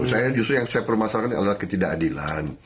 saya justru yang saya permasalahkan adalah ketidakadilan